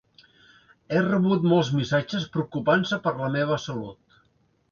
He rebut molts missatges preocupant-se per la meva salut.